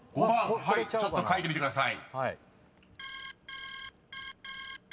［ちょっと書いてみてください］